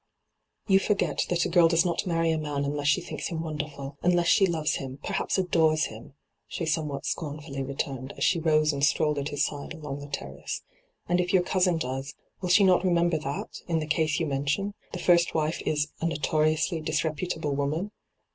*' You forget that a girl does not marry a man unless she thinks him wonderful, unless she loves him, perhaps adores him,' she some what scornfully returned, as she rose and strolled at his side along the terrace. ' And if your cousin does, will she not remember that, in the case you mention, the first wife is a " notoriously disreputable woman